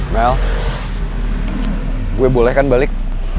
mel gue boleh kan balik